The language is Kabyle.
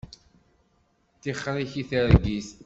Tixeṛ-ik i targit.